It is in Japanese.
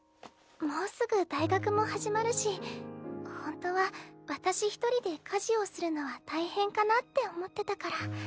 もうすぐ大学も始まるしほんとは私一人で家事をするのは大変かなって思ってたから。